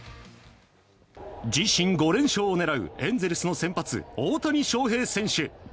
自身５連勝を狙うエンゼルスの先発、大谷翔平選手。